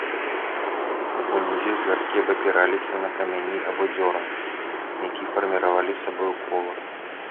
Унізе жэрдкі абапіраліся на камяні або дзёран, якія фарміравалі сабою кола.